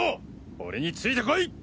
俺についてこい！